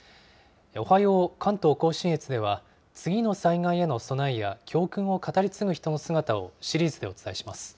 おはよう関東甲信越では次の災害への備えや、教訓を語り継ぐ人の姿をシリーズでお伝えします。